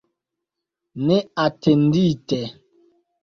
Neatendite.